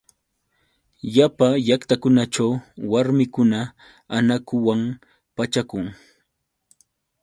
Llapa llaqtakunaćhu warmikuna anakuwan pachakun.